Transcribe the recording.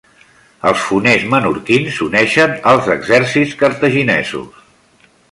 Els foners menorquins s'uneixen als exèrcits cartaginesos.